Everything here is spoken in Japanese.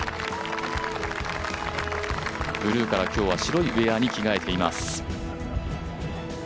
ブルーから今日は白いウエアに着替えています。